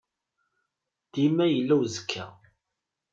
Dima yella uzekka.